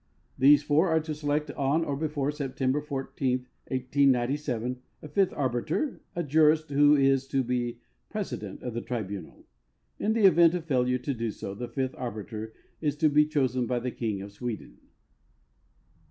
These four are to select, on or before September 14, 1897, a fifth arbiter, a jurist, who is to be president of the tribunal. In the event of failure to do so, the fifth arbiter is to be chosen b}' the King of Sweden.